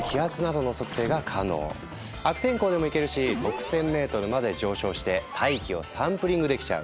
悪天候でもいけるし６，０００ｍまで上昇して大気をサンプリングできちゃう！